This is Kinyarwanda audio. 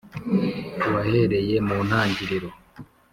wahereye mu ntangiriro ...